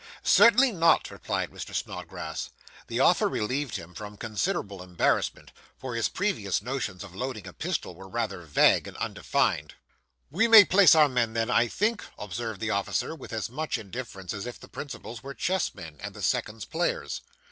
'Certainly not,' replied Mr. Snodgrass. The offer relieved him from considerable embarrassment, for his previous notions of loading a pistol were rather vague and undefined. 'We may place our men, then, I think,' observed the officer, with as much indifference as if the principals were chess men, and the seconds players.